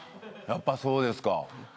やっぱそうですか。